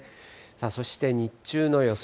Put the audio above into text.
そして日中の予想